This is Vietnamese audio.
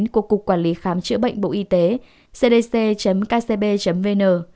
của cục quản lý khám chữa bệnh bộ y tế cdc kcb vn